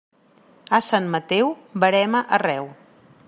A Sant Mateu, verema arreu.